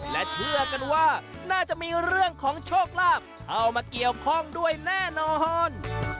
และเชื่อกันว่าน่าจะมีเรื่องของโชคลาภเข้ามาเกี่ยวข้องด้วยแน่นอน